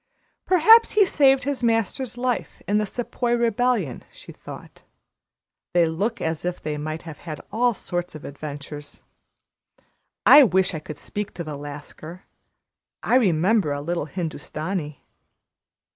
"Perhaps he saved his master's life in the Sepoy rebellion," she thought. "They look as if they might have had all sorts of adventures. I wish I could speak to the Lascar. I remember a little Hindustani."